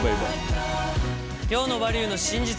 今日の「バリューの真実」